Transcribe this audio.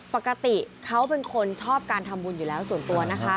ปกติเขาเป็นคนชอบการทำบุญอยู่แล้วส่วนตัวนะคะ